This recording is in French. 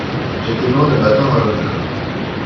J’étais loin de m’attendre à l’honneur…